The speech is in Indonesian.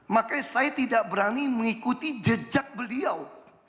makanya saya tidak berani mengikuti jejak beliau